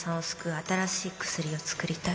新しい薬をつくりたい